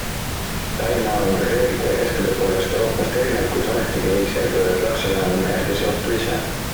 Taimaal on küll reeglite ja käskude poolest Euroopast erinev, kuid ometigi võiks eeldada, et lapsevanem oma järglasi ohtu ei sea.